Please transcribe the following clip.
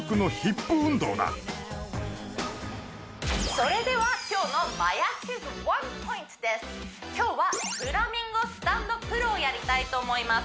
それでは今日はフラミンゴスタンド・プルをやりたいと思います